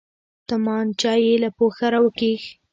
تمانچه يې له پوښه راوکښ.